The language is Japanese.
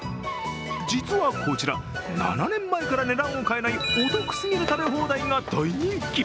実はこちら、７年前から値段を変えないお得すぎる食べ放題が大人気。